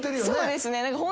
そうですね。